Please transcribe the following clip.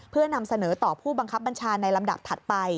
เพื่อนำเสนอต่อผู้บังคับบัญชาในลำดับถัดไป